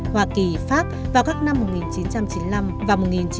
hoa kỳ pháp vào các năm một nghìn chín trăm chín mươi năm và một nghìn chín trăm chín mươi